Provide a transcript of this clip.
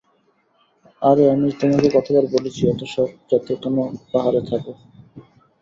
আরে আমি তোমাকে কতবার বলেছি এতো শখ যাতে কেন পাহাড়ে থাকো?